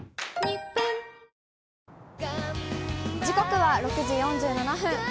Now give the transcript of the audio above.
時刻は６時４７分。